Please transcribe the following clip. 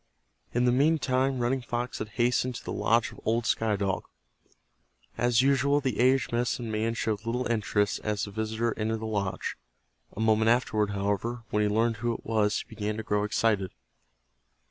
In the meantime Running Fox had hastened to the lodge of old Sky Dog. As usual the aged medicine man showed little interest as the visitor entered the lodge. A moment afterward, however, when he learned who it was he began to grow excited.